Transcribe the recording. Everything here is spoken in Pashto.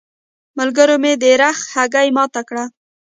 ملګرو مې د رخ هګۍ ماته کړه.